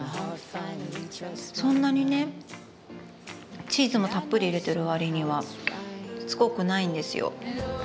そんなにねチーズもたっぷり入れてる割にはしつこくないんですよ。